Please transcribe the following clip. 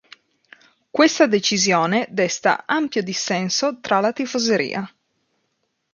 Questa decisione desta ampio dissenso tra la tifoseria.